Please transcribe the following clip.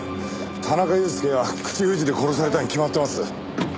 田中裕介は口封じで殺されたに決まってます。